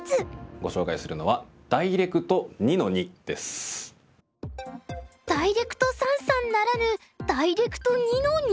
ご紹介するのはダイレクト三々ならぬダイレクト２の２！？